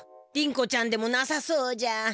りん子ちゃんでもなさそうじゃ。